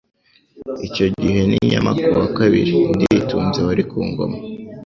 Icyo gihe ni Nyamakwa wa II Nditunze wari ku ngoma